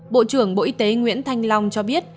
bộ trưởng bộ y tế nguyễn thanh long cho biết